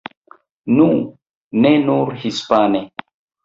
Nu ne nur hispane.